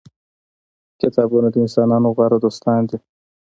کتابونه د انسانانو غوره دوستان دي.